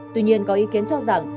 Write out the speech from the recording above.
tuy nhiên có ý kiến cho rằng